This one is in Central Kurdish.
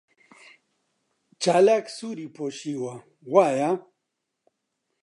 چالاک سووری پۆشیوە، وایە؟